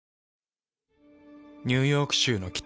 ニューヨーク州の北。